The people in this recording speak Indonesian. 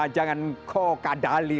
jangan engkau kadali